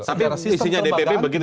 tapi isinya dpp begitu